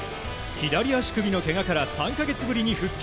左足首のけがから３か月ぶりに復帰。